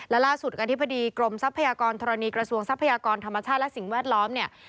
และล่าสุดอธิบดีกรมทรัพยากรธรณีกระทรวงทรัพยากรธรรมชาติและสิ่งแวดล้อมเนี่ย